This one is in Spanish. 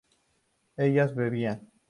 ¿ellas bebían?